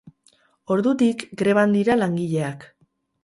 Ordutik, greban dira langileak.